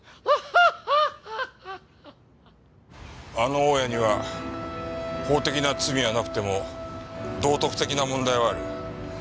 あの大家には法的な罪はなくても道徳的な問題はある。